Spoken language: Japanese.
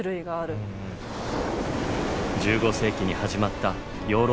１５世紀に始まったヨーロッパの大航海時代。